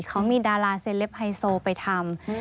เขามีดาราเซลปไฮโซไปทำ